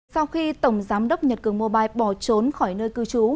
sau khi tổng giám đốc nhật cường mobile bỏ trốn khỏi nơi cư trú